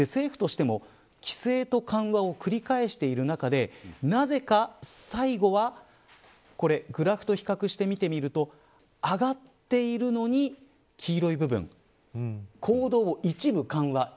政府としても規制と緩和を繰り返している中でなぜか、最後はグラフと比較して見てみると上がっているのに黄色い部分行動を一部緩和。